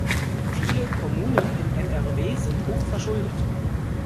Viele Kommunen in NRW sind hochverschuldet.